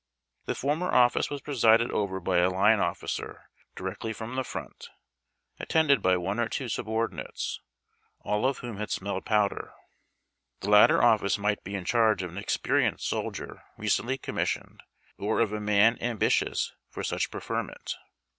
The former office was presided over by a line officer di rectly from the front, attended by one or two subordinates, all of whom had smelled powder. The latter office miglit 36 HARD TACK AND COFFEE. be in charge of an experienced soldier recently commis sioned, or of a man ambitious for such preferment.